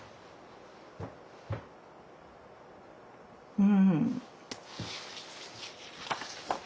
うん。